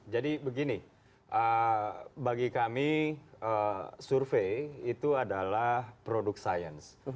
begini bagi kami survei itu adalah produk sains